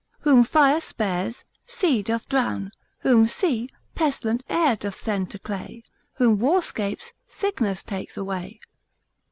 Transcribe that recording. Whom fire spares, sea doth drown; whom sea, Pestilent air doth send to clay; Whom war 'scapes, sickness takes away.